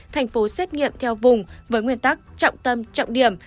thành phố xét nghiệm theo vùng với nguyên tắc trọng tâm trọng điểm